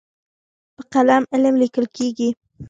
په قلم علم لیکل کېږي.